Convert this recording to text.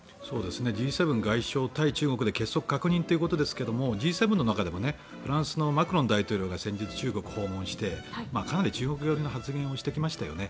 Ｇ７外相対中国で結束確認ということですがＧ７の中でもフランスのマクロン大統領が先日、中国を訪問してかなり中国寄りの発言をしてきましたよね。